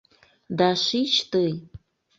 Да шич тый!